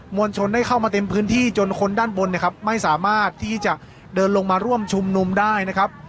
วลชนได้เข้ามาเต็มพื้นที่จนคนด้านบนเนี่ยครับไม่สามารถที่จะเดินลงมาร่วมชุมนุมได้นะครับ